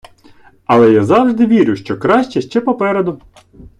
Але я завжди вірю, що краще ще попереду.